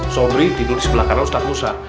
sorry tidur di sebelah kanan ustadz musa